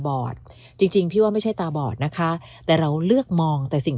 จริงจริงพี่ว่าไม่ใช่ตาบอดนะคะแต่เราเลือกมองแต่สิ่ง